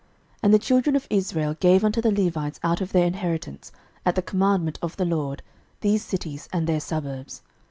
06:021:003 And the children of Israel gave unto the Levites out of their inheritance, at the commandment of the LORD, these cities and their suburbs.